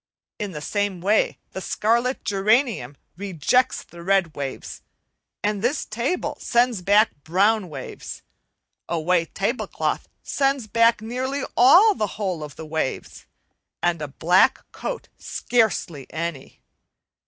In the same way the scarlet geranium rejects the red waves; this table sends back brown waves; a white tablecloth sends back nearly the whole of the waves, and a black coat scarcely any.